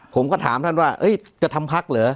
ผมก็ถามท่านว่าจะทำพักเหรอ